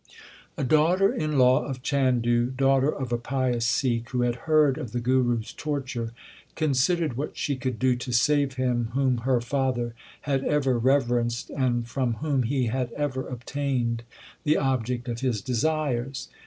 A daughter in law of Chandu, daughter of a pious Sikh, who had heard of the Guru s torture, con sidered what she could do to save him whom her father had ever reverenced, and from whom he had ever obtained the object of his desires.